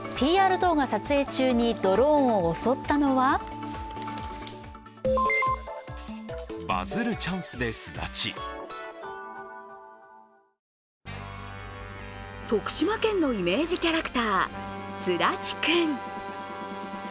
動画撮影中にドローンを襲ったのは徳島県のイメージキャラクターすだちくん。